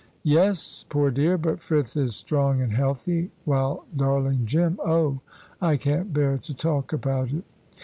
"Yes, poor dear! But Frith is strong and healthy, while darling Jim oh, I can't bear to talk about it."